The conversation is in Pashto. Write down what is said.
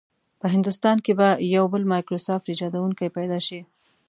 په هندوستان کې به یو بل مایکروسافټ ایجادونکی پیدا شي.